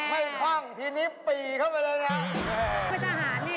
ให้ค่องที่นี่ปีเข้าไปเลย